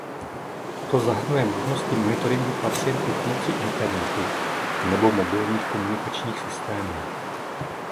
To zahrnuje možnosti monitoringu pacientů pomocí internetu nebo mobilních komunikačních systémů.